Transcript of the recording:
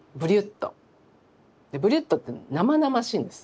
ブリュットってね生々しいんです